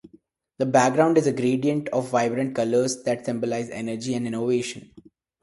The background is a gradient of vibrant colors that symbolize energy and innovation.